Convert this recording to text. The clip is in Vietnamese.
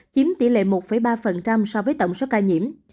chiếm tỷ lệ một ba so với tổng số ca nhiễm